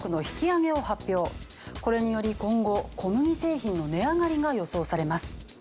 これにより今後小麦製品の値上がりが予想されます。